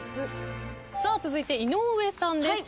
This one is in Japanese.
続いて井上さんです。